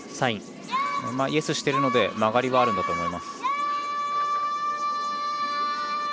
イエスしているので曲がりはあるんだと思います。